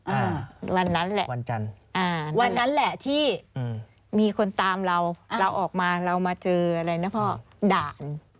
อ่าวันนั้นแหละวันจันทร์อ่าวันนั้นแหละที่อืมมีคนตามเราเราออกมาเรามาเจออะไรนะพ่อด่าน